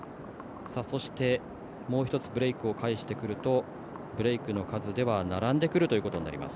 そして、もう１つブレークを返してくるとブレークの数では並んでくるということになります。